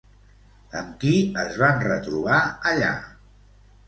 Amb qui es van retrobar allà?